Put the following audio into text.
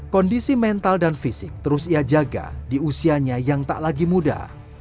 kondisi mental dan fisik terus ia jaga di usianya yang tak lagi muda